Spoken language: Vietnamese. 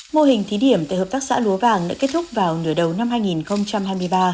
mô hình thí điểm tại hợp tác xã lúa vàng đã kết thúc vào nửa đầu năm hai nghìn hai mươi ba